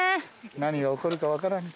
何が起こるか分からん。